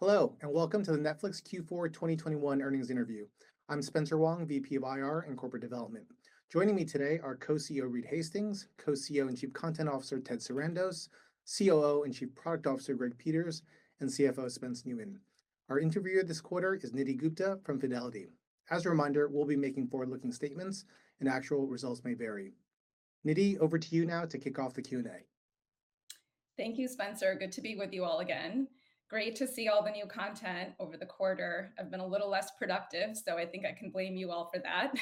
Hello, and welcome to the Netflix Q4 2021 Earnings Interview. I'm Spencer Wang, VP of IR and Corporate Development. Joining me today are Co-CEO Reed Hastings, Co-CEO and Chief Content Officer Ted Sarandos, COO and Chief Product Officer Greg Peters, and CFO Spencer Neumann. Our interviewer this quarter is Nidhi Gupta from Fidelity. As a reminder, we'll be making forward-looking statements and actual results may vary. Nidhi, over to you now to kick off the Q&A. Thank you, Spencer. Good to be with you all again. Great to see all the new content over the quarter. I've been a little less productive, so I think I can blame you all for that.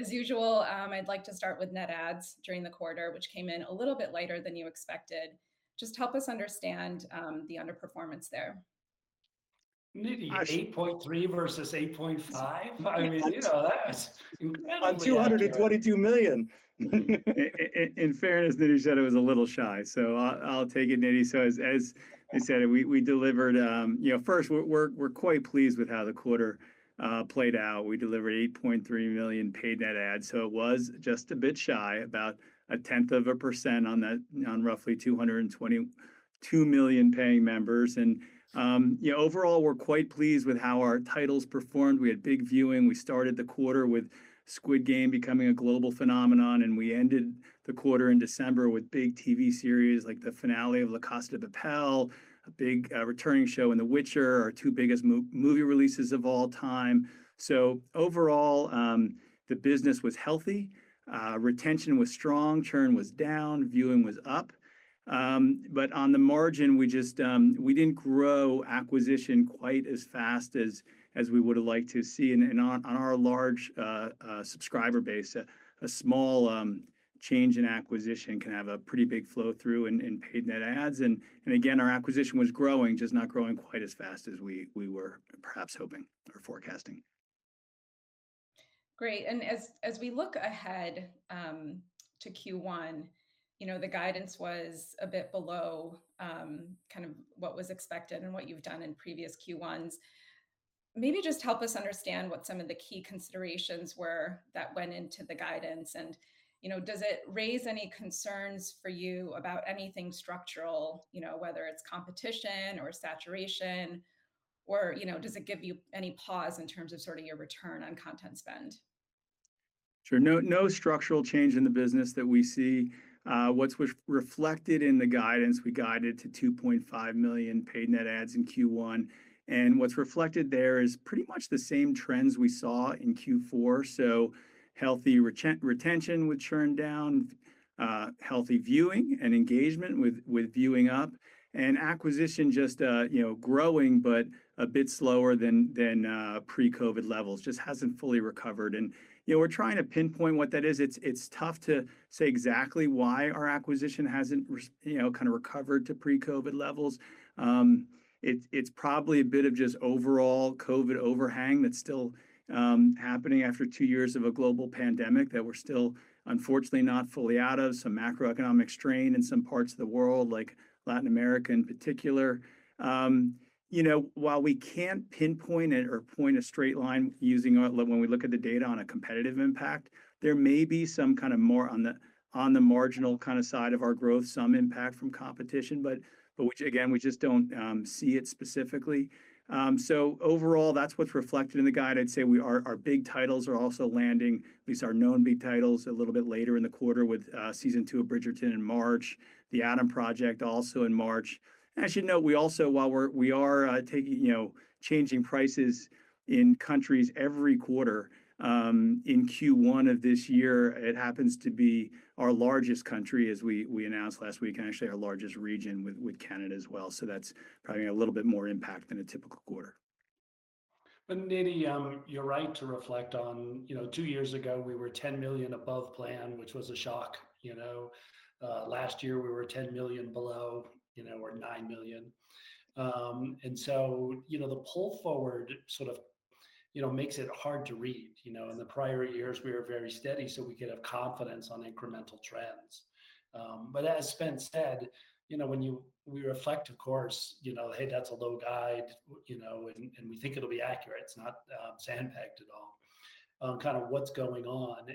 As usual, I'd like to start with net adds during the quarter, which came in a little bit lighter than you expected. Just help us understand the underperformance there? Nidhi, 8.3 million versus 8.5 million. I mean, you know, that's incredibly accurate. On 222 million. In fairness, Nidhi said it was a little shy, so I'll take it, Nidhi. As you said, we delivered. You know, first we're quite pleased with how the quarter played out. We delivered 8.3 million paid net adds, so it was just a bit shy, about 0.1% on that, on roughly 222 million paying members. You know, overall we're quite pleased with how our titles performed. We had big viewing. We started the quarter with Squid Game becoming a global phenomenon, and we ended the quarter in December with big TV series like the finale of La Casa de Papel, a big returning show in The Witcher, our two biggest movie releases of all time. Overall, the business was healthy, retention was strong, churn was down, viewing was up. On the margin, we just, we didn't grow acquisition quite as fast as we would've liked to see. On our large subscriber base, a small change in acquisition can have a pretty big flow-through in paid net adds. Again, our acquisition was growing, just not growing quite as fast as we were perhaps hoping or forecasting. Great. As we look ahead to Q1, you know, the guidance was a bit below kind of what was expected and what you've done in previous Q1s. Maybe just help us understand what some of the key considerations were that went into the guidance. You know, does it raise any concerns for you about anything structural, you know, whether it's competition or saturation or, you know, does it give you any pause in terms of sort of your return on content spend? Sure. No, no structural change in the business that we see. What's reflected in the guidance, we guided to 2.5 million paid net adds in Q1, and what's reflected there is pretty much the same trends we saw in Q4. Healthy retention with churn down, healthy viewing and engagement with viewing up, and acquisition just, you know, growing but a bit slower than pre-COVID levels, just hasn't fully recovered. You know, we're trying to pinpoint what that is. It's tough to say exactly why our acquisition hasn't you know, kind of recovered to pre-COVID levels. It's probably a bit of just overall COVID overhang that's still happening after two years of a global pandemic that we're still, unfortunately, not fully out of. Some macroeconomic strain in some parts of the world, like Latin America in particular. You know, while we can't pinpoint it or point a straight line when we look at the data on a competitive impact, there may be some kind of more on the marginal kinda side of our growth, some impact from competition, but which again, we just don't see it specifically. Overall that's what's reflected in the guide. I'd say our big titles are also landing, at least our known big titles, a little bit later in the quarter with season two of Bridgerton in March, The Adam Project also in March. I should note we also, while we are taking, you know, changing prices in countries every quarter, in Q1 of this year, it happens to be our largest country as we announced last week, and actually our largest region with Canada as well. That's probably a little bit more impact than a typical quarter. Nidhi, you're right to reflect on, you know, two years ago we were 10 million above plan, which was a shock. You know, last year we were 10 million below, you know, or 9 million. You know, the pull forward sort of, you know, makes it hard to read. You know, in the prior years we were very steady, so we could have confidence on incremental trends. As Spence said, you know, when we reflect of course, you know, "Hey, that's a low guide," you know, and we think it'll be accurate. It's not sandbagged at all on kind of what's going on.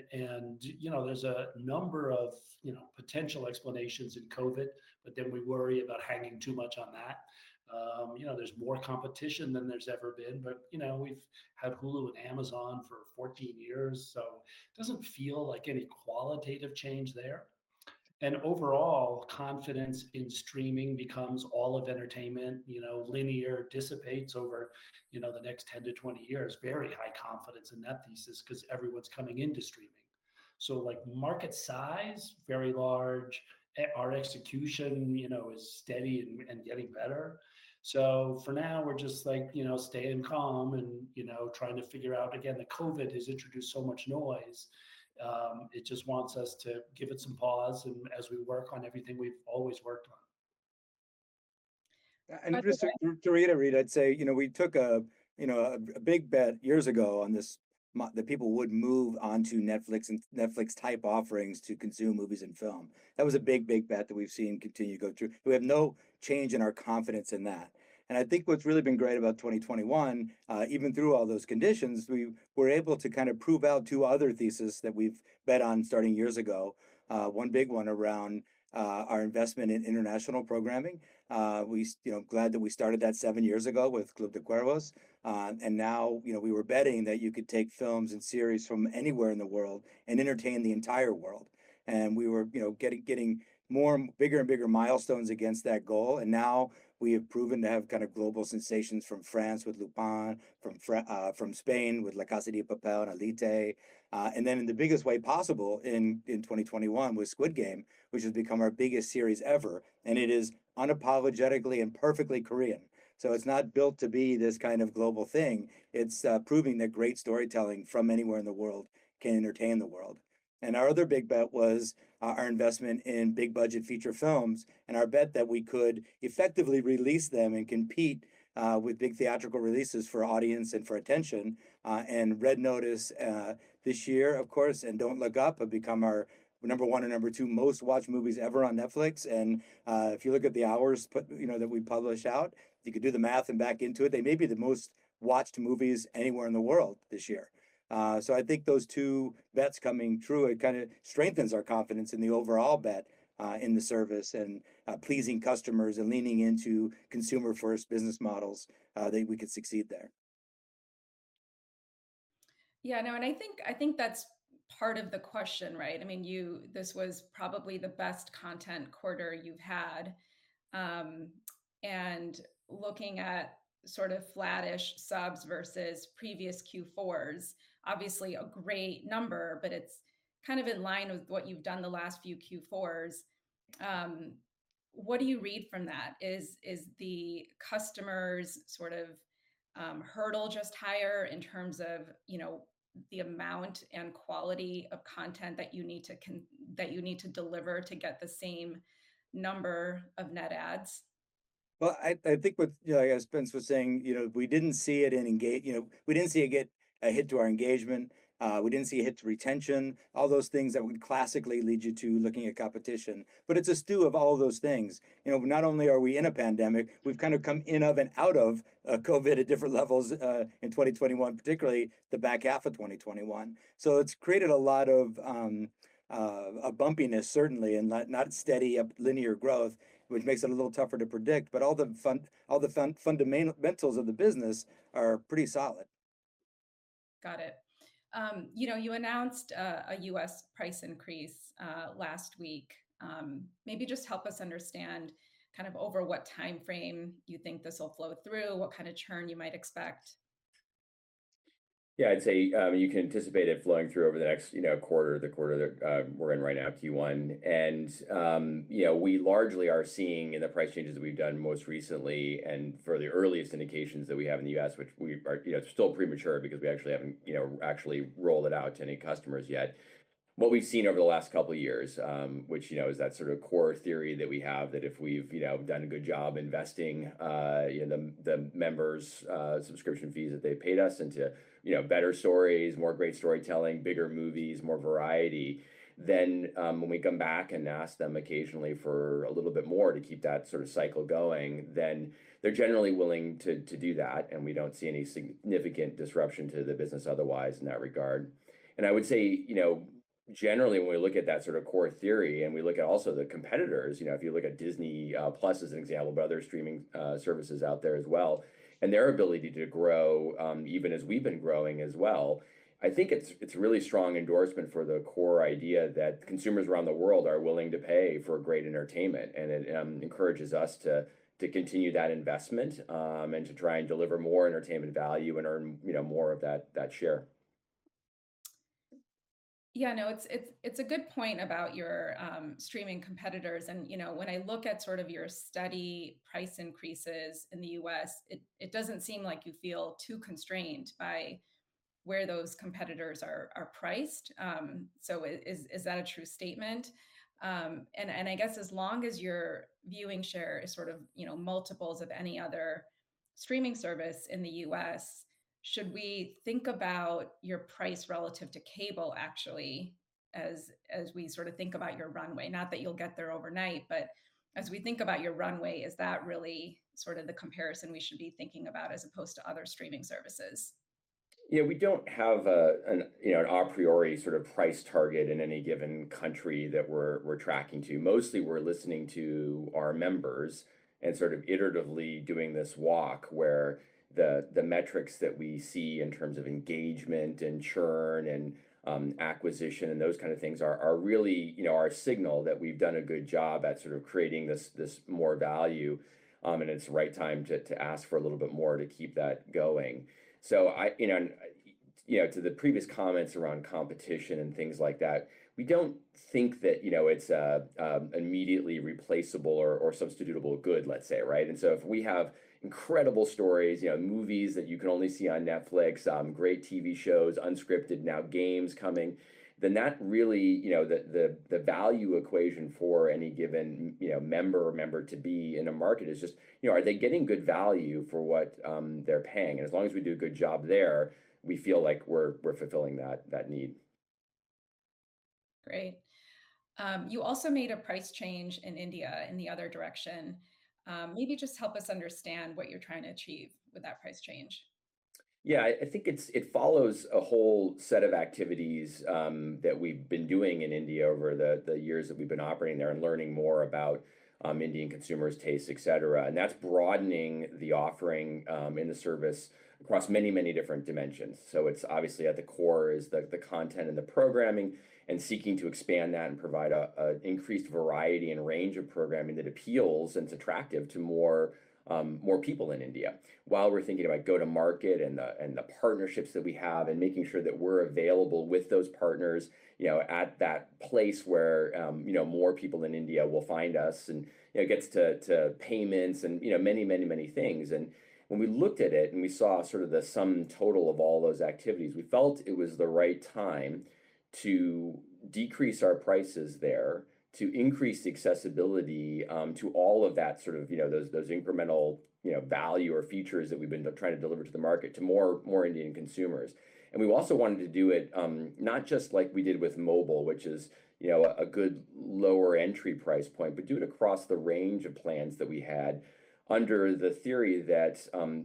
You know, there's a number of, you know, potential explanations in COVID, but then we worry about hanging too much on that. You know, there's more competition than there's ever been, but, you know, we've had Hulu and Amazon for 14 years, so doesn't feel like any qualitative change there. Overall, confidence in streaming becomes all of entertainment. You know, linear dissipates over, you know, the next 10-20 years. Very high confidence in that thesis 'cause everyone's coming into streaming. Like market size, very large. Our execution, you know, is steady and getting better. For now we're just like, you know, staying calm and, you know, trying to figure out. Again, the COVID has introduced so much noise, it just wants us to give it some pause and as we work on everything we've always worked on. Just to reiterate, I'd say, you know, we took a, you know, a big bet years ago that people would move onto Netflix and Netflix-type offerings to consume movies and film. That was a big, big bet that we've seen continue to go through. We have no change in our confidence in that. I think what's really been great about 2021, even through all those conditions, we were able to kind of prove out two other thesis that we've bet on starting years ago. One big one around our investment in international programming. You know, glad that we started that seven years ago with "Club de Cuervos." Now, you know, we were betting that you could take films and series from anywhere in the world and entertain the entire world. We were, you know, getting more, bigger and bigger milestones against that goal. Now we have proven to have kind of global sensations from France with "Lupin," from Spain with "La Casa de Papel" and "Elite." Then in the biggest way possible in 2021 with "Squid Game," which has become our biggest series ever, and it is unapologetically and perfectly Korean. It's not built to be this kind of global thing. It's proving that great storytelling from anywhere in the world can entertain the world. Our other big bet was our investment in big budget feature films, and our bet that we could effectively release them and compete with big theatrical releases for audience and for attention. "Red Notice," this year of course, and "Don't Look Up" have become our number one and number two most watched movies ever on Netflix. If you look at the hours put, you know, that we publish out, you could do the math and back into it, they may be the most watched movies anywhere in the world this year. I think those two bets coming true, it kinda strengthens our confidence in the overall bet, in the service and pleasing customers and leaning into consumer first business models, that we could succeed there. Yeah, no, I think that's part of the question, right? I mean, this was probably the best content quarter you've had. Looking at sort of flattish subs versus previous Q4s, obviously a great number, but it's kind of in line with what you've done the last few Q4s. What do you read from that? Is the customers sort of hurdle just higher in terms of, you know, the amount and quality of content that you need to deliver to get the same number of net adds? I think, you know, as Spence was saying, you know, we didn't see it get a hit to our engagement, we didn't see a hit to retention, all those things that would classically lead you to looking at competition, but it's a stew of all of those things. You know, not only are we in a pandemic, we've kind of come in and out of COVID at different levels in 2021, particularly the back half of 2021. So it's created a lot of bumpiness certainly, and not steady linear growth, which makes it a little tougher to predict. All the fundamentals of the business are pretty solid. Got it. You know, you announced a U.S. price increase last week. Maybe just help us understand kind of over what timeframe you think this will flow through, what kind of churn you might expect? Yeah. I'd say you can anticipate it flowing through over the next, you know, quarter, the quarter that we're in right now, Q1. You know, we largely are seeing in the price changes that we've done most recently and for the earliest indications that we have in the U.S. which we are, you know, still premature because we actually haven't, you know, actually rolled it out to any customers yet. What we've seen over the last couple years, which, you know, is that sort of core theory that we have, that if we've, you know, done a good job investing, you know, the members' subscription fees that they paid us into, you know, better stories, more great storytelling, bigger movies, more variety, then, when we come back and ask them occasionally for a little bit more to keep that sort of cycle going, then they're generally willing to do that, and we don't see any significant disruption to the business otherwise in that regard. I would say, you know, generally when we look at that sort of core theory and we look at also the competitors, you know, if you look at Disney+ as an example, but other streaming services out there as well, and their ability to grow, even as we've been growing as well, I think it's really strong endorsement for the core idea that consumers around the world are willing to pay for great entertainment, and it encourages us to continue that investment, and to try and deliver more entertainment value and earn, you know, more of that share. Yeah, no, it's a good point about your streaming competitors and, you know, when I look at sort of your steady price increases in the U.S., it doesn't seem like you feel too constrained by where those competitors are priced. Is that a true statement? I guess as long as your viewing share is sort of, you know, multiples of any other streaming service in the U.S., should we think about your price relative to cable actually as we sort of think about your runway? Not that you'll get there overnight, but as we think about your runway, is that really sort of the comparison we should be thinking about as opposed to other streaming services? Yeah. We don't have you know, an a priori sort of price target in any given country that we're tracking to. Mostly we're listening to our members and sort of iteratively doing this walk where the metrics that we see in terms of engagement and churn and acquisition, and those kind of things are really you know, our signal that we've done a good job at sort of creating this more value, and it's the right time to ask for a little bit more to keep that going. I you know, you know, to the previous comments around competition and things like that, we don't think that you know, it's immediately replaceable or substitutable good, let's say, right? If we have incredible stories, you know, movies that you can only see on Netflix, great TV shows, unscripted, now games coming, then that really, you know, the value equation for a given member to be in a market is just, you know, are they getting good value for what they're paying? As long as we do a good job there, we feel like we're fulfilling that need. Great. You also made a price change in India in the other direction. Maybe just help us understand what you're trying to achieve with that price change. Yeah. I think it follows a whole set of activities that we've been doing in India over the years that we've been operating there and learning more about Indian consumers' tastes, et cetera. That's broadening the offering in the service across many different dimensions. It's obviously at the core is the content and the programming and seeking to expand that and provide a increased variety and range of programming that appeals and is attractive to more people in India. While we're thinking about go-to-market and the partnerships that we have, and making sure that we're available with those partners, you know, at that place where you know more people in India will find us. You know, it gets to payments and you know many things. When we looked at it and we saw sort of the sum total of all those activities, we felt it was the right time to decrease our prices there, to increase accessibility to all of that sort of, you know, those incremental, you know, value or features that we've been trying to deliver to the market to more Indian consumers. We also wanted to do it, not just like we did with mobile, which is, you know, a good lower entry price point, but do it across the range of plans that we had under the theory that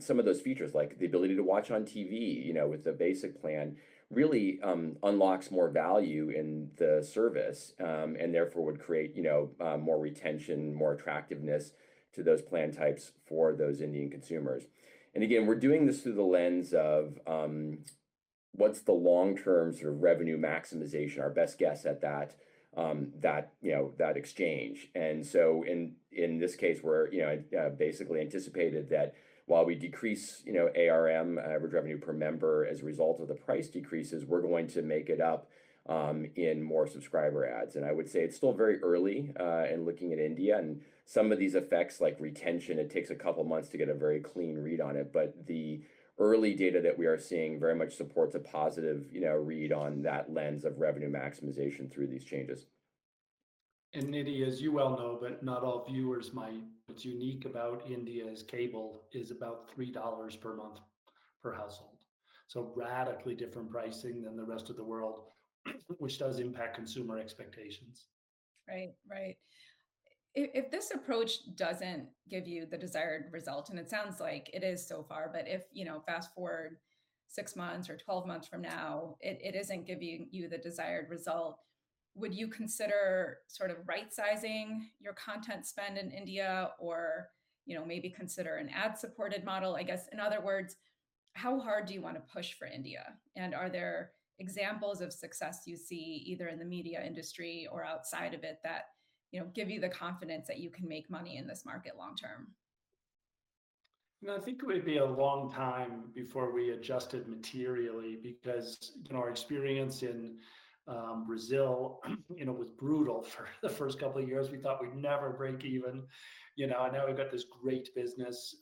some of those features, like the ability to watch on TV, you know, with the basic plan, really unlocks more value in the service. Therefore it would create, you know, more retention, more attractiveness to those plan types for those Indian consumers. Again, we're doing this through the lens of what's the long-term sort of revenue maximization, our best guess at that, you know, that exchange. In this case, we're, you know, basically anticipate that while we decrease, you know, ARM, average revenue per member as a result of the price decreases, we're going to make it up in more subscriber adds. I would say it's still very early in looking at India and some of these effects, like retention. It takes a couple months to get a very clean read on it. The early data that we are seeing very much supports a positive, you know, read on that lens of revenue maximization through these changes. Nidhi, as you well know, but not all viewers might, what's unique about India is cable is about $3 per month per household. Radically different pricing than the rest of the world which does impact consumer expectations. Right. If this approach doesn't give you the desired result, and it sounds like it is so far, but if, you know, fast-forward six months or 12 months from now, it isn't giving you the desired result, would you consider sort of right-sizing your content spend in India or, you know, maybe consider an ad-supported model? I guess, in other words, how hard do you wanna push for India? Are there examples of success you see either in the media industry or outside of it that, you know, give you the confidence that you can make money in this market long term? You know, I think it would be a long time before we adjusted materially because in our experience in Brazil, you know, was brutal for the first couple of years. We thought we'd never break even. You know, we've got this great business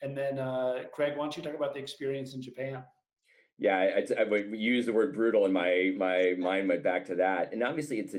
and then, Greg, why don't you talk about the experience in Japan? Yeah. It's when you used the word brutal and my mind went back to that, and obviously it's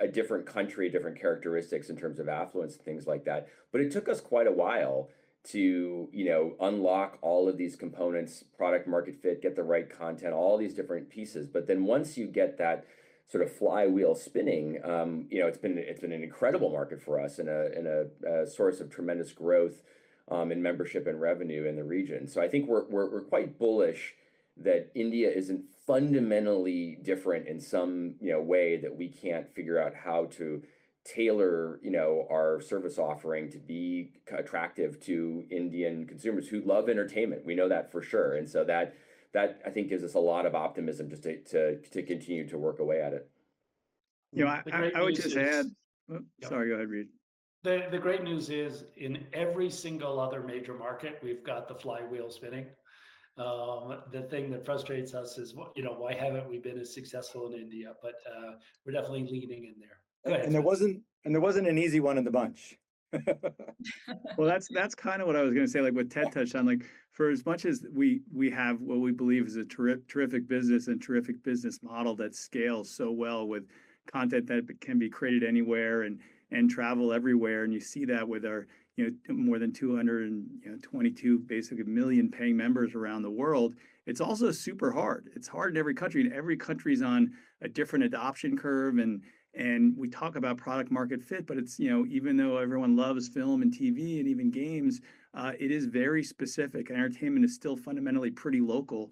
a different country, different characteristics in terms of affluence and things like that. It took us quite a while to, you know, unlock all of these components, product market fit, get the right content, all these different pieces. Then once you get that sort of flywheel spinning, you know, it's been an incredible market for us and a source of tremendous growth in membership and revenue in the region. I think we're quite bullish that India isn't fundamentally different in some, you know, way that we can't figure out how to tailor, you know, our service offering to be attractive to Indian consumers who love entertainment. We know that for sure. That I think gives us a lot of optimism just to continue to work away at it. You know, I would just add. The great news is. Oh, sorry, go ahead, Reed. The great news is in every single other major market, we've got the flywheel spinning. The thing that frustrates us is you know, why haven't we been as successful in India? We're definitely leaning in there. Go ahead. There wasn't an easy one in the bunch. Well, that's kinda what I was gonna say, like what Ted touched on. Like, for as much as we have what we believe is a terrific business and terrific business model that scales so well with content that can be created anywhere and travel everywhere, and you see that with our, you know, more than 222 million paying members around the world, it's also super hard. It's hard in every country, and every country's on a different adoption curve and we talk about product market fit, but it's, you know, even though everyone loves film and TV and even games, it is very specific, and entertainment is still fundamentally pretty local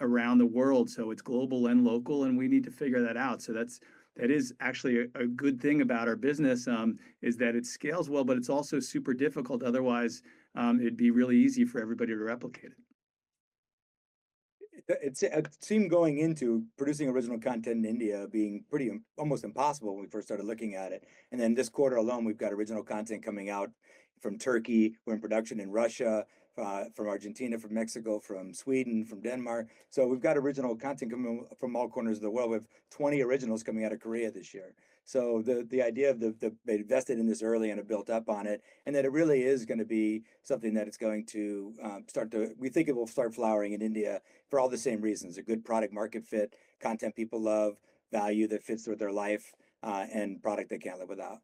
around the world. It's global and local, and we need to figure that out. That is actually a good thing about our business is that it scales well, but it's also super difficult, otherwise, it'd be really easy for everybody to replicate it. It seemed going into producing original content in India being pretty almost impossible when we first started looking at it. Then this quarter alone, we've got original content coming out from Turkey. We're in production in Russia, from Argentina, from Mexico, from Sweden, from Denmark. We've got original content coming from all corners of the world. We have 20 originals coming out of Korea this year. The idea that they invested in this early and have built up on it, and that it really is gonna be something that it's going to start to. We think it will start flowering in India for all the same reasons, a good product market fit, content people love, value that fits with their life, and product they can't live without.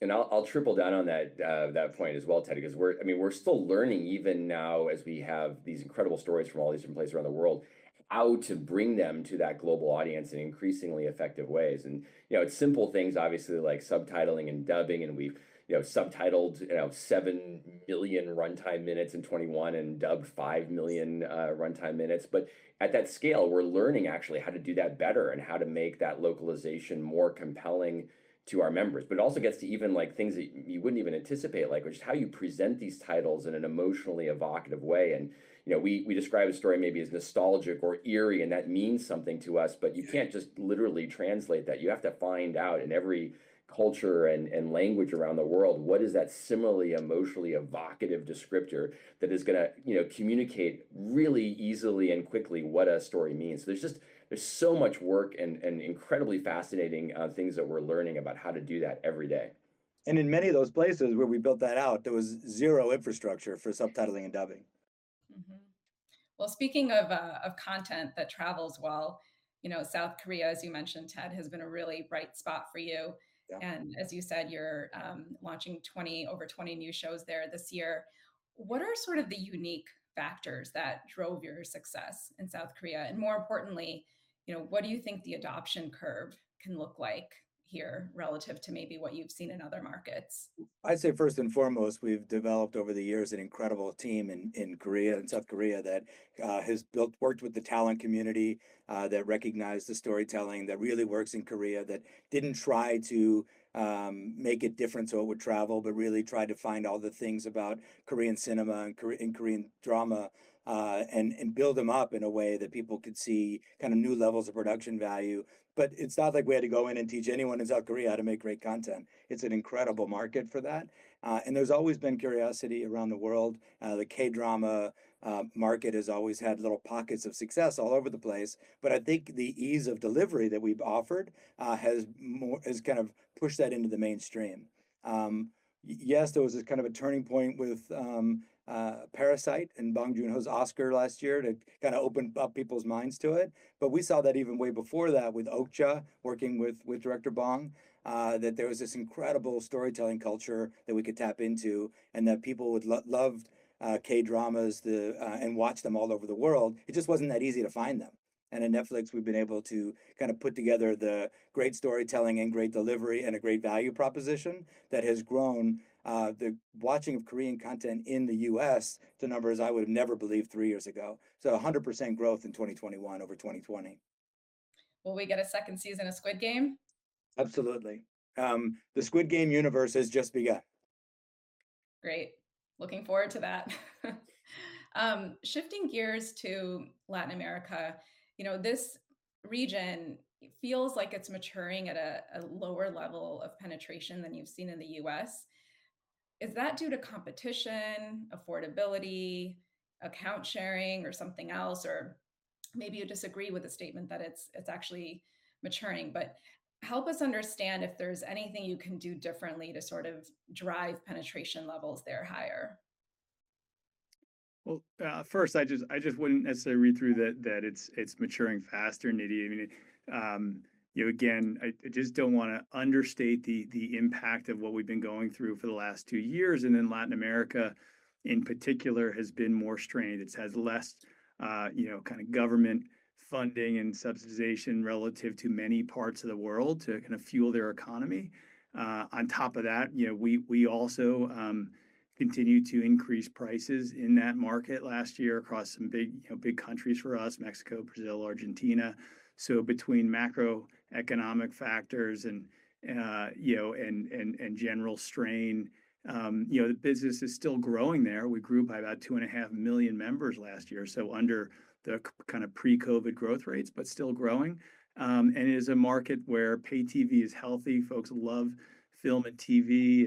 I'll triple down on that point as well, Teddy, 'cause we're still learning even now as we have these incredible stories from all these different places around the world, how to bring them to that global audience in increasingly effective ways. You know, it's simple things, obviously, like subtitling and dubbing, and we've you know subtitled you know 7 billion runtime minutes in 2021 and dubbed 5 million runtime minutes. But at that scale, we're learning actually how to do that better and how to make that localization more compelling to our members. But it also gets to even like things that you wouldn't even anticipate, like just how you present these titles in an emotionally evocative way. You know, we describe a story maybe as nostalgic or eerie, and that means something to us, but you can't just literally translate that. You have to find out in every culture and language around the world what is that similarly emotionally evocative descriptor that is gonna, you know, communicate really easily and quickly what a story means. There's just so much work and incredibly fascinating things that we're learning about how to do that every day. In many of those places where we built that out, there was zero infrastructure for subtitling and dubbing. Well, speaking of content that travels well, you know, South Korea, as you mentioned, Ted, has been a really bright spot for you. Yeah. As you said, you're launching over 20 new shows there this year. What are sort of the unique factors that drove your success in South Korea? More importantly, you know, what do you think the adoption curve can look like here relative to maybe what you've seen in other markets? I'd say first and foremost, we've developed over the years an incredible team in South Korea that has worked with the talent community that recognized the storytelling that really works in Korea, that didn't try to make a difference so it would travel, but really tried to find all the things about Korean cinema and Korean drama and build them up in a way that people could see kinda new levels of production value. It's not like we had to go in and teach anyone in South Korea how to make great content. It's an incredible market for that. There's always been curiosity around the world. The K-drama market has always had little pockets of success all over the place. I think the ease of delivery that we've offered has kind of pushed that into the mainstream. Yes, there was this kind of a turning point with Parasite and Bong Joon-ho's Oscar last year to kinda open up people's minds to it. We saw that even way before that with Okja, working with Director Bong, that there was this incredible storytelling culture that we could tap into, and that people would love K-dramas and watch them all over the world. It just wasn't that easy to find them. At Netflix, we've been able to kinda put together the great storytelling and great delivery and a great value proposition that has grown the watching of Korean content in the U.S. to numbers I would have never believed three years ago. 100% growth in 2021 over 2020. Will we get a second season of Squid Game? Absolutely. The Squid Game universe has just begun. Great. Looking forward to that. Shifting gears to Latin America, you know, this region feels like it's maturing at a lower level of penetration than you've seen in the U.S. Is that due to competition, affordability, account sharing, or something else? Or maybe you disagree with the statement that it's actually maturing. Help us understand if there's anything you can do differently to sort of drive penetration levels there higher. Well, first I just wouldn't necessarily read through that it's maturing faster, Nidhi. I mean, it. You know, again, I just don't wanna understate the impact of what we've been going through for the last two years, and then Latin America in particular has been more strained. It's had less, you know, kinda government funding and subsidization relative to many parts of the world to kinda fuel their economy. On top of that, you know, we also continued to increase prices in that market last year across some big countries for us, Mexico, Brazil, Argentina. Between macroeconomic factors and, you know, and general strain, you know, business is still growing there. We grew by about 2.5 million members last year, so under the kind of pre-COVID growth rates, but still growing. It is a market where pay TV is healthy. Folks love film and TV.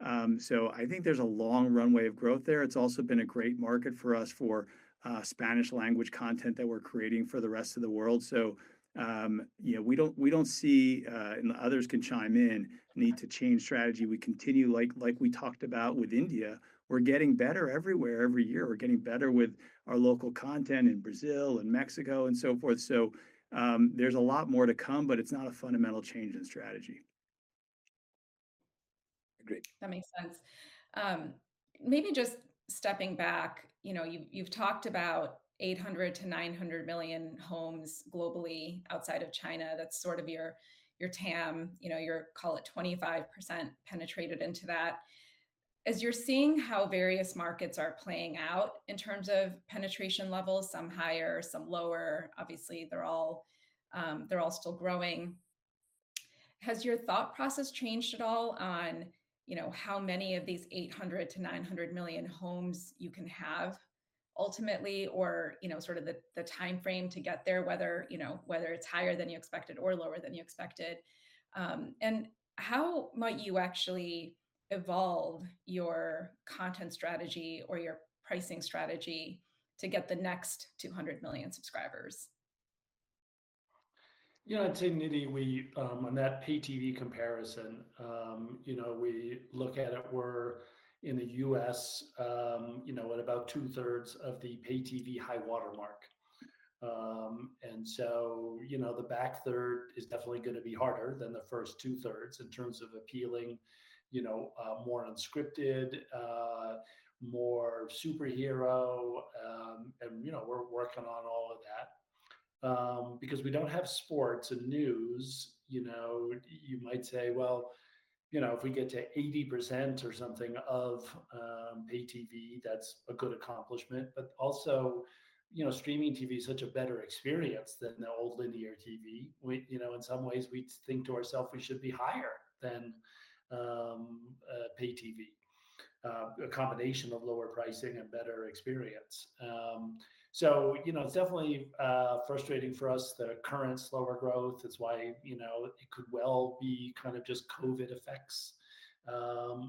I think there's a long runway of growth there. It's also been a great market for us for Spanish language content that we're creating for the rest of the world. You know, we don't see a need to change strategy, and others can chime in. We continue, like we talked about with India, we're getting better everywhere every year. We're getting better with our local content in Brazil and Mexico and so forth. There's a lot more to come, but it's not a fundamental change in strategy. Agreed. That makes sense. Maybe just stepping back, you know, you've talked about 800 million-900 million homes globally outside of China. That's sort of your TAM. You know, your, call it, 25% penetrated into that. As you're seeing how various markets are playing out in terms of penetration levels, some higher, some lower, obviously they're all still growing, has your thought process changed at all on, you know, how many of these 800 million-900 million homes you can have ultimately or, you know, sort of the timeframe to get there, whether, you know, whether it's higher than you expected or lower than you expected? And how might you actually evolve your content strategy or your pricing strategy to get the next 200 million subscribers? You know, I'd say, Nidhi, on that pay TV comparison, you know, we look at it, we're in the U.S., you know, at about 2/3 of the pay TV high water mark. You know, the back third is definitely gonna be harder than the first 2/3 In terms of appealing, you know, more unscripted, more superhero, and you know, we're working on all of that. Because we don't have sports and news, you know, you might say, "Well, you know, if we get to 80% or something of pay TV, that's a good accomplishment." Also, you know, streaming TV is such a better experience than the old linear TV. We, you know, in some ways, we think to ourself we should be higher than pay TV, a combination of lower pricing and better experience. You know, it's definitely frustrating for us, the current slower growth. It's why, you know, it could well be kind of just COVID effects.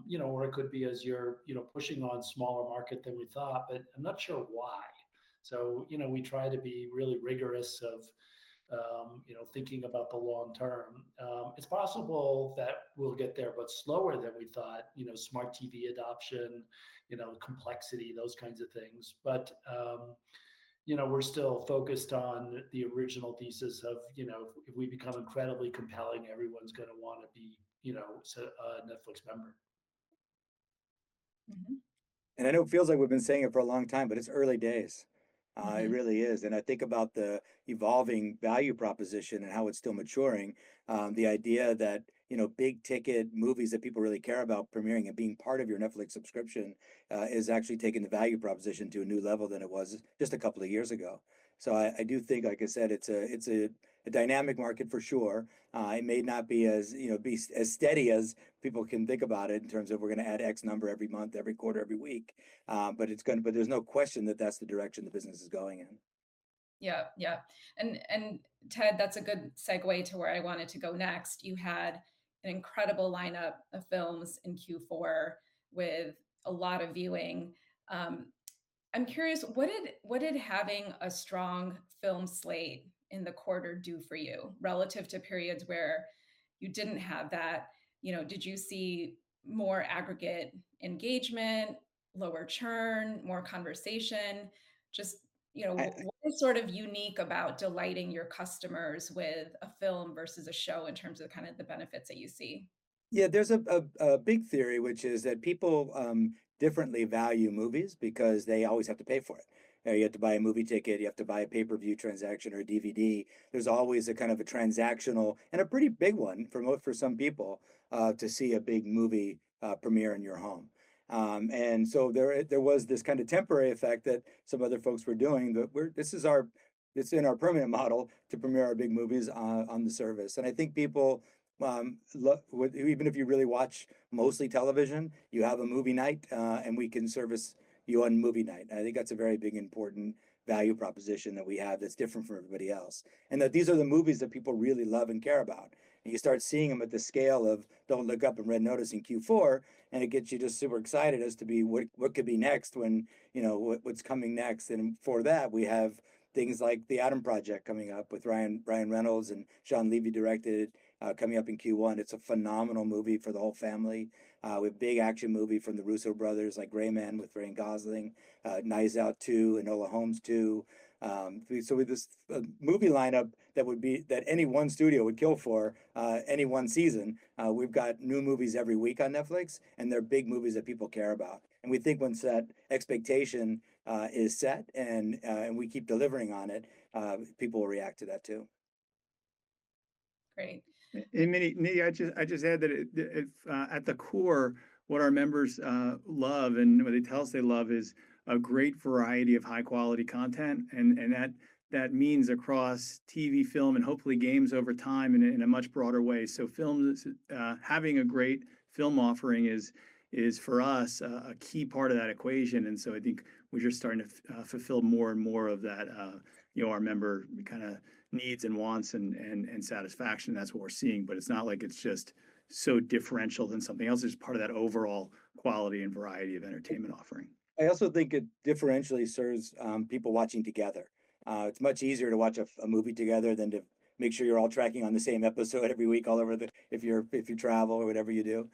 You know, it could be as you're, you know, pushing on smaller market than we thought, but I'm not sure why. You know, we try to be really rigorous of, you know, thinking about the long term. It's possible that we'll get there, but slower than we thought, you know, smart TV adoption, you know, complexity, those kinds of things. You know, we're still focused on the original thesis of, you know, if we become incredibly compelling, everyone's gonna wanna be, you know, so a Netflix member. Mm-hmm. I know it feels like we've been saying it for a long time, but it's early days. Mm-hmm. It really is. I think about the evolving value proposition and how it's still maturing. The idea that, you know, big-ticket movies that people really care about premiering and being part of your Netflix subscription, is actually taking the value proposition to a new level than it was just a couple of years ago. I do think, like I said, it's a dynamic market for sure. It may not be as, you know, as steady as people can think about it in terms of we're gonna add X number every month, every quarter, every week. There's no question that that's the direction the business is going in. Yeah. Yeah. Ted, that's a good segue to where I wanted to go next. You had an incredible lineup of films in Q4 with a lot of viewing. I'm curious, what did having a strong film slate in the quarter do for you relative to periods where you didn't have that? You know, did you see more aggregate engagement, lower churn, more conversation? Just, you know. What was sort of unique about delighting your customers with a film versus a show in terms of kinda the benefits that you see? Yeah. There's a big theory which is that people differently value movies because they always have to pay for it. You know, you have to buy a movie ticket, you have to buy a pay-per-view transaction or a DVD. There's always a kind of transactional, and a pretty big one for some people to see a big movie premiere in your home. There was this kinda temporary effect that some other folks were doing. It's in our premium model to premiere our big movies on the service. I think people, well, even if you really watch mostly television, you have a movie night, and we can service you on movie night, and I think that's a very big, important value proposition that we have that's different from everybody else. That these are the movies that people really love and care about. You start seeing them at the scale of Don't Look Up and Red Notice in Q4, and it gets you just super excited as to what could be next when, you know, what's coming next. For that, we have things like The Adam Project coming up with Ryan Reynolds and Shawn Levy directed, coming up in Q1. It's a phenomenal movie for the whole family, with big action movie from the Russo brothers, like Gray Man with Ryan Gosling, Knives Out 2 and Enola Holmes 2. We have this movie lineup that any one studio would kill for, any one season. We've got new movies every week on Netflix, and they're big movies that people care about. We think once that expectation is set and we keep delivering on it, people will react to that too. Great. Nidhi, I just add that it's at the core what our members love and what they tell us they love is a great variety of high-quality content, and that means across TV, film, and hopefully games over time in a much broader way. Films, having a great film offering is for us a key part of that equation. I think we're just starting to fulfill more and more of that, you know, our member kinda needs and wants and satisfaction. That's what we're seeing. It's not like it's just so differential than something else. It's part of that overall quality and variety of entertainment offering. I also think it differentially serves people watching together. It's much easier to watch a movie together than to make sure you're all tracking on the same episode every week if you travel or whatever you do.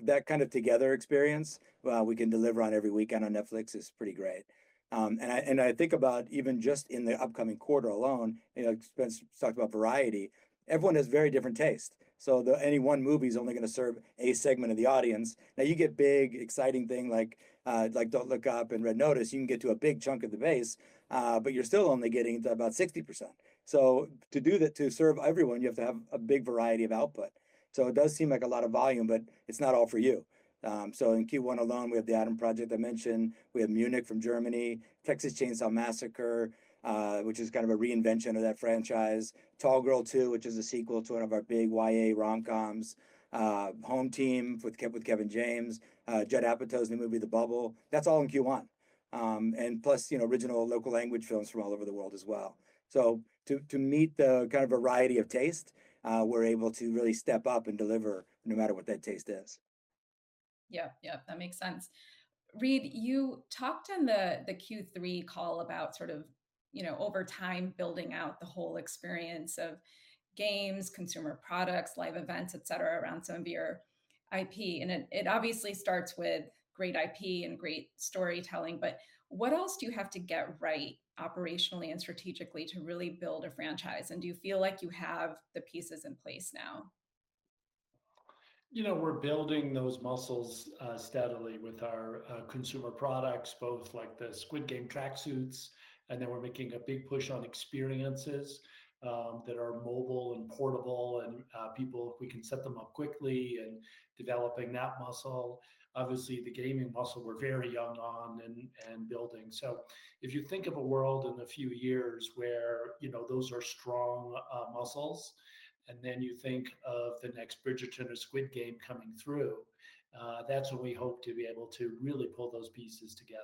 That kind of together experience, well, we can deliver on every weekend on Netflix. It's pretty great. I think about even just in the upcoming quarter alone, you know, Spence talked about variety. Everyone has very different taste, so any one movie is only gonna serve a segment of the audience. Now you get big, exciting thing like Don't Look Up and Red Notice, you can get to a big chunk of the base, but you're still only getting to about 60%. To serve everyone, you have to have a big variety of output. It does seem like a lot of volume, but it's not all for you. In Q1 alone, we have The Adam Project I mentioned. We have Munich from Germany. Texas Chainsaw Massacre, which is kind of a reinvention of that franchise. Tall Girl 2, which is a sequel to one of our big YA rom-coms. Home Team with Kevin James. Judd Apatow's new movie, The Bubble. That's all in Q1. And plus, you know, original local language films from all over the world as well. To meet the kind of variety of taste, we're able to really step up and deliver no matter what that taste is. Yeah. That makes sense. Reed, you talked on the Q3 call about sort of, you know, over time building out the whole experience of games, consumer products, live events, et cetera, around some of your IP. It obviously starts with great IP and great storytelling, but what else do you have to get right operationally and strategically to really build a franchise? Do you feel like you have the pieces in place now? You know, we're building those muscles steadily with our consumer products, both like the "Squid Game" tracksuits, and then we're making a big push on experiences that are mobile and portable and we can set them up quickly and developing that muscle. Obviously, the gaming muscle we're very young on and building. If you think of a world in a few years where you know those are strong muscles, and then you think of the next "Bridgerton" or "Squid Game" coming through, that's when we hope to be able to really pull those pieces together.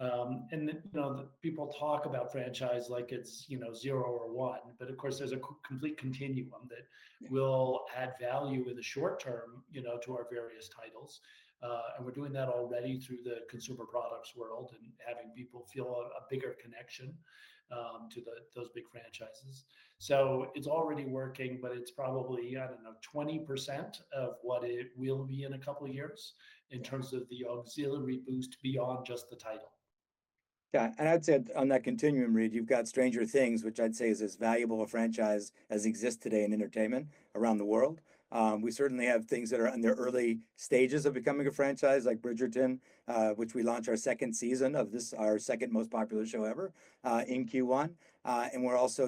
You know, the people talk about franchise like it's, you know, zero or one, but of course, there's a complete continuum that will add value in the short term, you know, to our various titles. We're doing that already through the consumer products world and having people feel a bigger connection to those big franchises. It's already working, but it's probably, I don't know, 20% of what it will be in a couple years in terms of the auxiliary boost beyond just the title. Yeah. I'd say on that continuum, Reed, you've got "Stranger Things," which I'd say is as valuable a franchise as exists today in entertainment around the world. We certainly have things that are in the early stages of becoming a franchise, like "Bridgerton," which we launch our second season of this, our second most popular show ever, in Q1.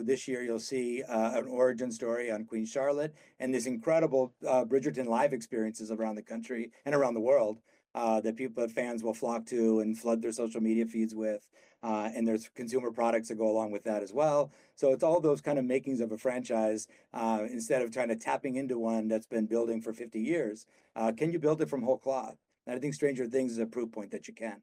This year you'll see an origin story on Queen Charlotte and these incredible "Bridgerton" live experiences around the country and around the world that fans will flock to and flood their social media feeds with. There's consumer products that go along with that as well. It's all those kind of makings of a franchise, instead of tapping into one that's been building for 50 years, can you build it from whole cloth? I think "Stranger Things" is a proof point that you can.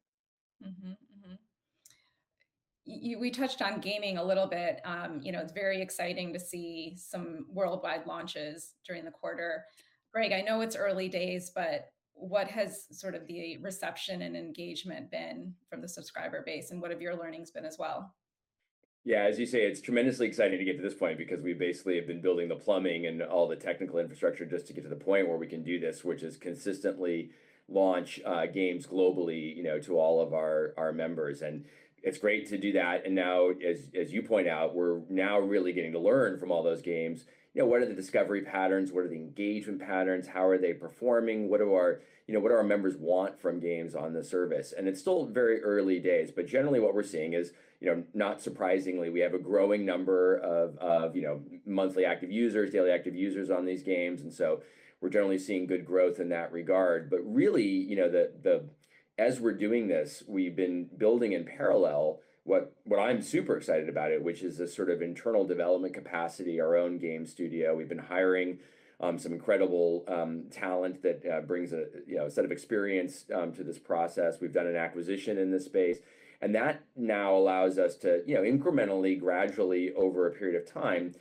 We touched on gaming a little bit. You know, it's very exciting to see some worldwide launches during the quarter. Greg, I know it's early days, but what has sort of the reception and engagement been from the subscriber base, and what have your learnings been as well? Yeah, as you say, it's tremendously exciting to get to this point because we basically have been building the plumbing and all the technical infrastructure just to get to the point where we can do this, which is consistently launch games globally, you know, to all of our members. It's great to do that. Now, as you point out, we're now really getting to learn from all those games. You know, what are the discovery patterns? What are the engagement patterns? How are they performing? What do our members want from games on the service? It's still very early days, but generally what we're seeing is, you know, not surprisingly, we have a growing number of monthly active users, daily active users on these games. We're generally seeing good growth in that regard. Really, you know, as we're doing this, we've been building in parallel what I'm super excited about it, which is this sort of internal development capacity, our own game studio. We've been hiring some incredible talent that brings a you know a set of experience to this process. We've done an acquisition in this space, and that now allows us to you know incrementally gradually over a period of time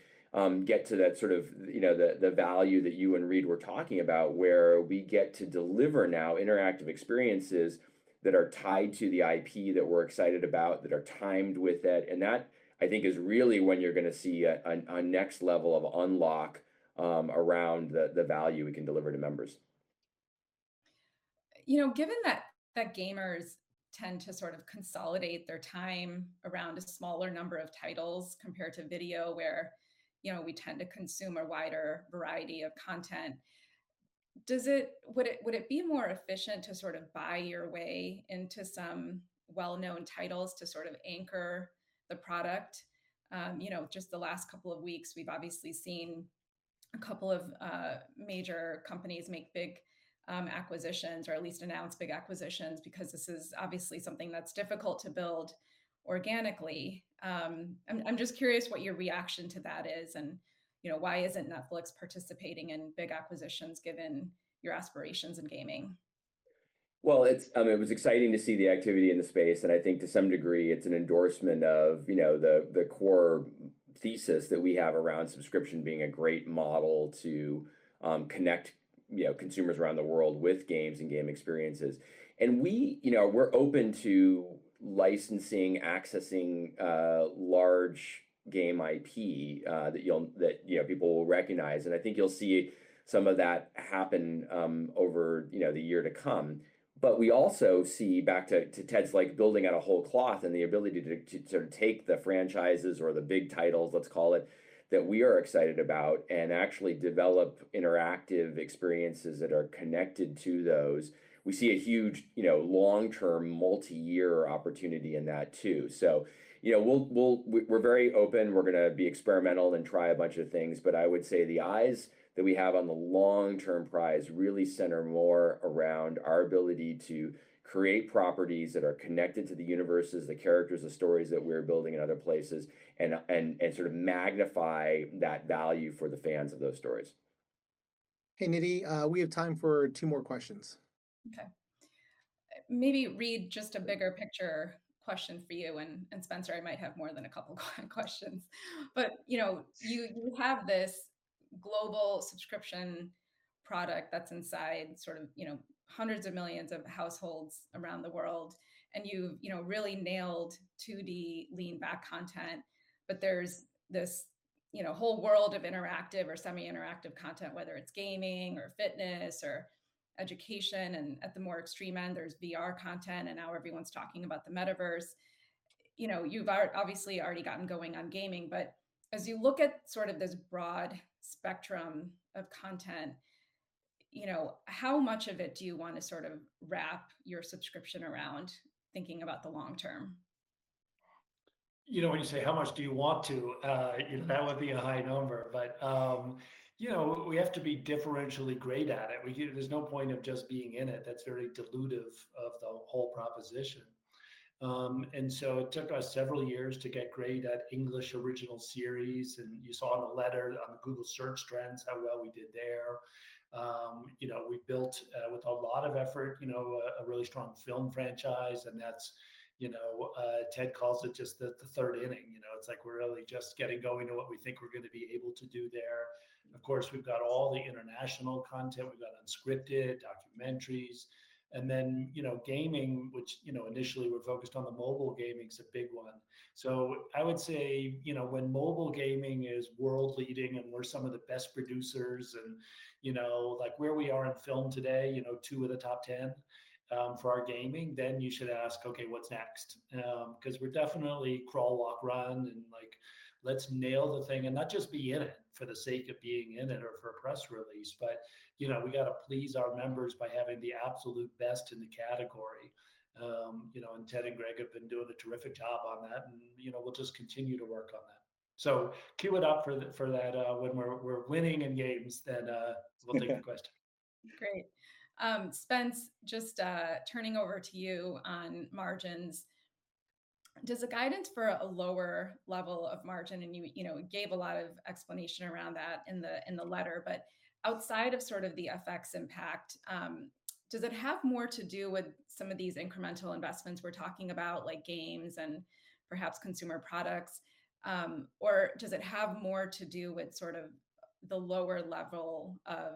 get to that sort of you know the value that you and Reed were talking about, where we get to deliver now interactive experiences that are tied to the IP that we're excited about, that are timed with it. That I think is really when you're gonna see a next level of unlock around the value we can deliver to members. You know, given that gamers tend to sort of consolidate their time around a smaller number of titles compared to video, where, you know, we tend to consume a wider variety of content, would it be more efficient to sort of buy your way into some well-known titles to sort of anchor the product? You know, just the last couple of weeks, we've obviously seen a couple of major companies make big acquisitions or at least announce big acquisitions because this is obviously something that's difficult to build organically. I'm just curious what your reaction to that is and, you know, why isn't Netflix participating in big acquisitions given your aspirations in gaming? Well, I mean, it was exciting to see the activity in the space, and I think to some degree it's an endorsement of, you know, the core thesis that we have around subscription being a great model to connect, you know, consumers around the world with games and game experiences. And we, you know, we're open to licensing, accessing large game IP that, you know, people will recognize. And I think you'll see some of that happen over, you know, the year to come. But we also see, back to Ted's like building out of whole cloth and the ability to sort of take the franchises or the big titles, let's call it, that we are excited about and actually develop interactive experiences that are connected to those. We see a huge, you know, long-term, multi-year opportunity in that too. You know, we're very open. We're gonna be experimental and try a bunch of things. I would say the eyes that we have on the long-term prize really center more around our ability to create properties that are connected to the universes, the characters, the stories that we're building in other places and sort of magnify that value for the fans of those stories. Hey, Nidhi, we have time for two more questions. Okay. Maybe, Reed, just a bigger picture question for you, and Spencer, I might have more than a couple questions. You know, you have this global subscription product that's inside sort of, you know, hundreds of millions of households around the world, and you've, you know, really nailed 2D lean back content. There's this, you know, whole world of interactive or semi-interactive content, whether it's gaming or fitness or education, and at the more extreme end there's VR content, and now everyone's talking about the metaverse. You know, you've obviously already gotten going on gaming, but as you look at sort of this broad spectrum of content, you know, how much of it do you wanna sort of wrap your subscription around thinking about the long term? You know, when you say how much do you want to, you know, that would be a high number. But you know, we have to be differentially great at it. You know, there's no point of just being in it. That's very dilutive of the whole proposition. It took us several years to get great at English original series, and you saw in the letter on the Google search trends how well we did there. You know, we built with a lot of effort, you know, a really strong film franchise, and that's, you know. Ted calls it just the third inning, you know. It's like we're really just getting going to what we think we're gonna be able to do there. Of course, we've got all the international content. We've got unscripted, documentaries. You know, gaming, which, you know, initially we're focused on the mobile gaming's a big one. I would say, you know, when mobile gaming is world leading, and we're some of the best producers, and, you know, like where we are in film today, you know, two of the top 10 for our gaming, then you should ask, "Okay, what's next?" 'Cause we're definitely crawl, walk, run, and like let's nail the thing, and not just be in it for the sake of being in it or for a press release, but, you know, we gotta please our members by having the absolute best in the category. You know, and Ted and Greg have been doing a terrific job on that, and, you know, we'll just continue to work on that. Queue it up for that, when we're winning in games, then we'll take the question. Great. Spence, just turning over to you on margins. Does the guidance for a lower level of margin, and you know gave a lot of explanation around that in the letter, but outside of sort of the FX impact, does it have more to do with some of these incremental investments we're talking about, like games and perhaps consumer products, or does it have more to do with sort of the lower level of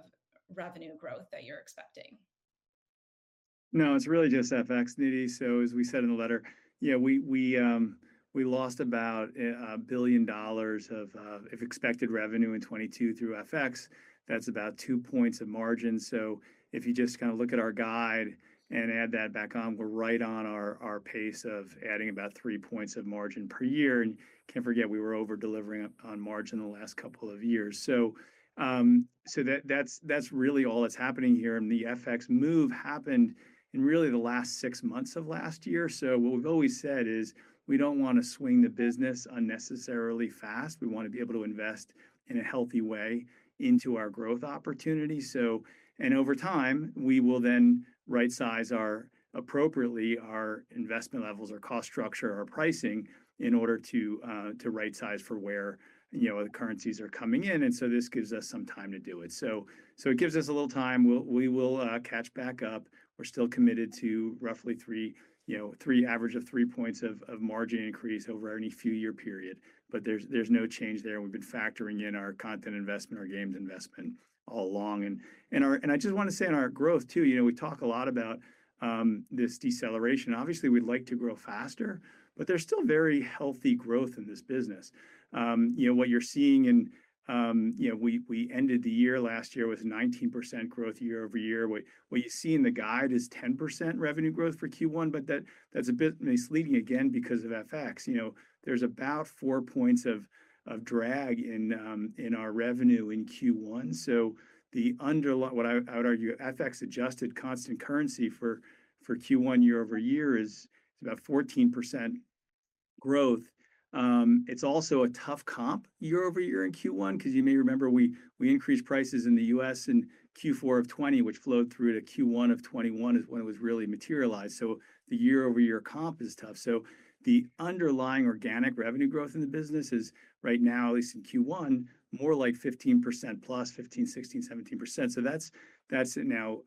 revenue growth that you're expecting? No. It's really just FX, Nidhi. As we said in the letter, you know, we lost about $1 billion of expected revenue in 2022 through FX. That's about 2 points of margin. If you just kinda look at our guide and add that back on, we're right on our pace of adding about 3 points of margin per year. Can't forget we were over-delivering on margin the last couple of years. That's really all that's happening here. The FX move happened in really the last six months of last year. What we've always said is we don't wanna swing the business unnecessarily fast. We wanna be able to invest in a healthy way into our growth opportunities. Over time, we will then rightsize our, appropriately, our investment levels, our cost structure, our pricing in order to rightsize for where, you know, the currencies are coming in, and so this gives us some time to do it. It gives us a little time. We will catch back up. We're still committed to roughly 3, you know, 3 points of margin increase over any few year period, but there's no change there, and we've been factoring in our content investment, our games investment all along. I just wanna say in our growth too, you know, we talk a lot about this deceleration. Obviously, we'd like to grow faster, but there's still very healthy growth in this business. You know, what you're seeing in You know, we ended the year last year with 19% growth year over year. You see in the guide is 10% revenue growth for Q1, but that's a bit misleading again because of FX. You know, there's about 4 points of drag in our revenue in Q1. So what I would argue FX-adjusted constant currency for Q1 year over year is about 14% growth. It's also a tough comp year over year in Q1, 'cause you may remember we increased prices in the U.S. in Q4 of 2020, which flowed through to Q1 of 2021 is when it really materialized. So the year-over-year comp is tough. So the underlying organic revenue growth in the business is right now, at least in Q1, more like 15%+, 15%, 16%, 17%. That's now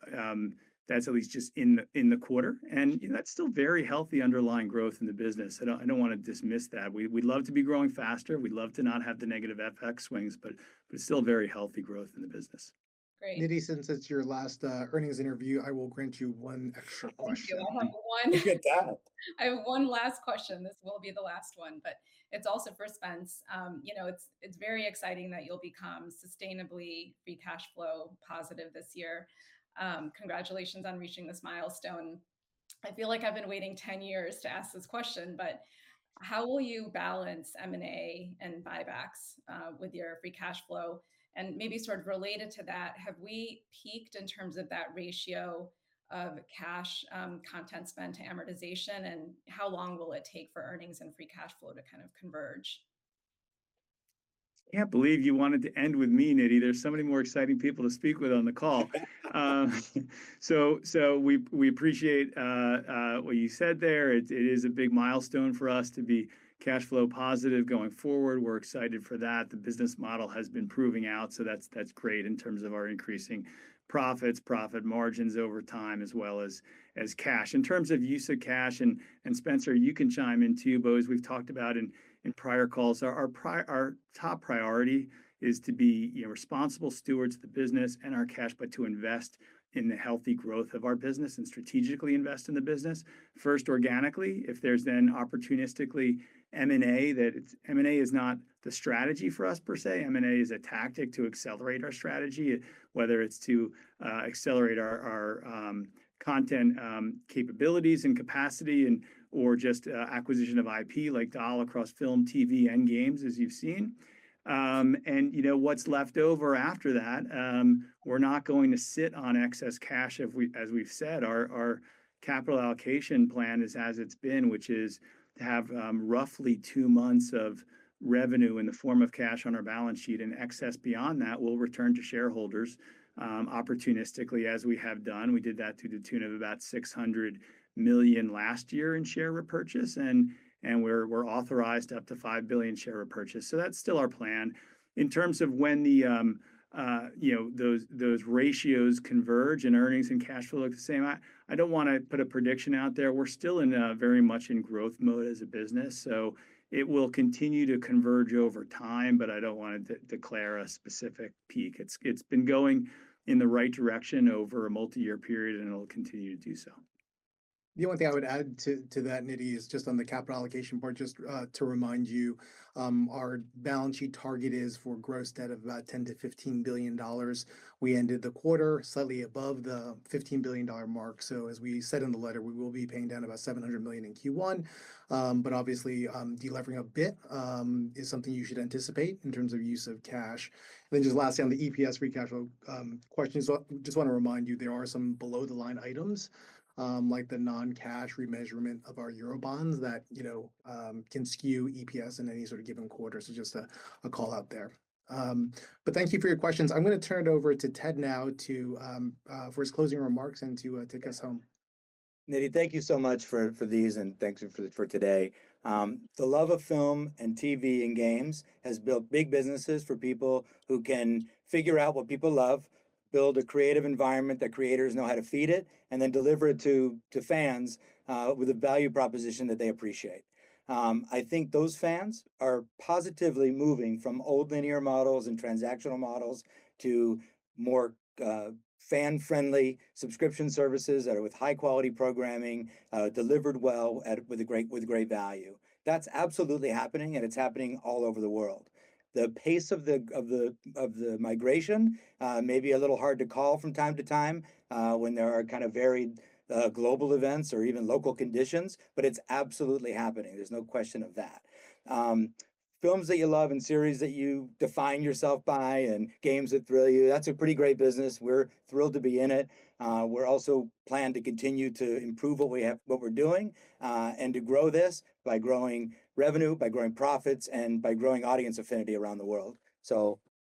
at least just in the quarter, you know, that's still very healthy underlying growth in the business. I don't wanna dismiss that. We'd love to be growing faster. We'd love to not have the negative FX swings, but it's still very healthy growth in the business. Great. Nidhi, since it's your last earnings interview, I will grant you one extra question. Thank you. You get that. I have one last question. This will be the last one, but it's also for Spence. You know, it's very exciting that you'll become sustainably free cash flow positive this year. Congratulations on reaching this milestone. I feel like I've been waiting 10 years to ask this question, but how will you balance M&A and buybacks with your free cash flow? Maybe sort of related to that, have we peaked in terms of that ratio of cash content spend to amortization, and how long will it take for earnings and free cash flow to kind of converge? Can't believe you wanted to end with me, Nidhi. There's so many more exciting people to speak with on the call. We appreciate what you said there. It is a big milestone for us to be cash flow positive going forward. We're excited for that. The business model has been proving out, so that's great in terms of our increasing profits, profit margins over time, as well as cash. In terms of use of cash, and Spencer you can chime in too, but as we've talked about in prior calls, our top priority is to be, you know, responsible stewards of the business and our cash, but to invest in the healthy growth of our business and strategically invest in the business. First organically. If there's then opportunistically M&A, that. M&A is not the strategy for us per se. M&A is a tactic to accelerate our strategy, whether it's to accelerate our content capabilities and capacity, or just acquisition of IP, like deals across film, TV, and games, as you've seen. You know, what's left over after that, we're not going to sit on excess cash, as we've said. Our capital allocation plan is as it's been, which is to have roughly two months of revenue in the form of cash on our balance sheet, and excess beyond that, we'll return to shareholders opportunistically as we have done. We did that to the tune of about $600 million last year in share repurchase, and we're authorized up to $5 billion share repurchase. That's still our plan. In terms of when those ratios converge and earnings and cash flow look the same, I don't want to put a prediction out there. We're still very much in growth mode as a business, so it will continue to converge over time. I don't want to declare a specific peak. It's been going in the right direction over a multi-year period, and it'll continue to do so. The only thing I would add to that, Nidhi, is just on the capital allocation part, just to remind you, our balance sheet target is for gross debt of about $10 billion-$15 billion. We ended the quarter slightly above the $15 billion mark. As we said in the letter, we will be paying down about $700 million in Q1. Obviously, delevering a bit is something you should anticipate in terms of use of cash. Then just lastly, on the EPS free cash flow question, I just want to remind you, there are some below the line items like the non-cash remeasurement of our euro bonds that, you know, can skew EPS in any sort of given quarter. Just a call out there. Thank you for your questions. I'm going to turn it over to Ted now for his closing remarks and to take us home. Nidhi, thank you so much for these, and thank you for today. The love of film and TV and games has built big businesses for people who can figure out what people love, build a creative environment that creators know how to feed it, and then deliver it to fans with a value proposition that they appreciate. I think those fans are positively moving from old linear models and transactional models to more fan friendly subscription services that are with high quality programming delivered well with great value. That's absolutely happening, and it's happening all over the world. The pace of the migration may be a little hard to call from time to time when there are kind of varied global events or even local conditions, but it's absolutely happening. There's no question of that. Films that you love and series that you define yourself by and games that thrill you, that's a pretty great business. We're thrilled to be in it. We're also planning to continue to improve what we have, what we're doing, and to grow this by growing revenue, by growing profits, and by growing audience affinity around the world.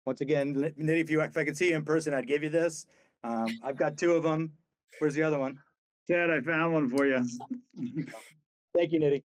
Once again, Nidhi, if I could see you in person, I'd give you this. I've got two of them. Where's the other one? Ted, I found one for you. Thank you, Nidhi.